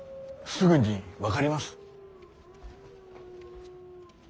すぐに分かります。